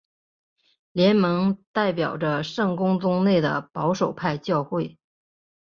联盟代表着圣公宗内的保守派教会。